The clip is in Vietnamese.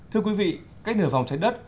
thưa quý vị cách nửa vòng trái đất